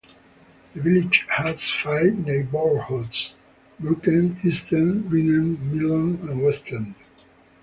The village has five neighbourhoods: Brookend, Eastend, Greenend, Millend and Westend.